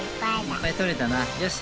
いっぱい採れたなよし。